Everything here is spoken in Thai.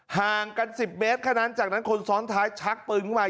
ห่างกัน๑๐เมตรแค่นั้นจากนั้นคนซ้อนท้ายชักปืนขึ้นมา